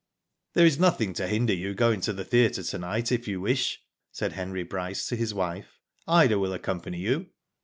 There is nothing to hinder you going to the theatre to night if you wish," said Henry Bryce to his wife. " Ida will accompany you."